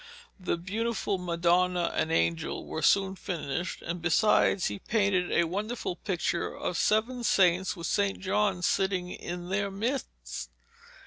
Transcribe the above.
The beautiful Madonna and angel were soon finished, and besides he painted a wonderful picture of seven saints with St. John sitting in their midst.